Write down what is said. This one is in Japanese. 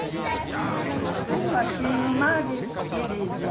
男は死ぬまでスケベじゃ。